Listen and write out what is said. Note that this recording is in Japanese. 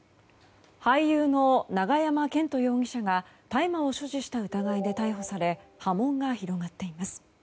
俳優の永山絢斗容疑者が大麻を所持した疑いで逮捕され波紋が広がっています。